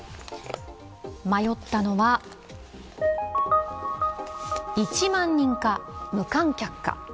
迷ったのは１万人か無観客か。